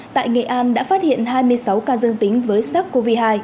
tại nghệ an đã phát hiện hai mươi sáu ca dương tính với sars cov hai